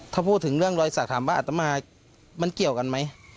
ถ้าพูดถึงเรื่องรอยสักถามว่าอัตมามันเกี่ยวกันไหม